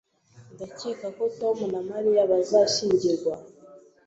Ndakeka ko Tom na Mariya bazashyingirwa